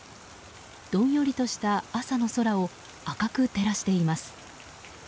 どんよりとした朝の空を赤く照らしています。